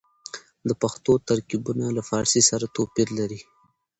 د پښتو ترکيبونه له فارسي سره توپير لري.